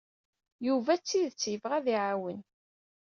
Yuba d tidet yebɣa ad iɛawen.